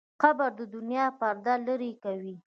قبر د دنیا پرده لرې کوي.